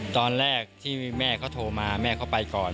ตอนแรกที่แม่เขาโทรมาแม่เขาไปก่อน